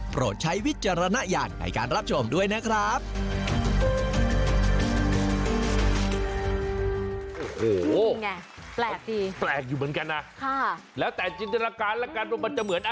ใช้วิจารณญาณในการรับชมด้วยนะครับ